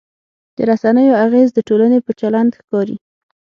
د رسنیو اغېز د ټولنې په چلند ښکاري.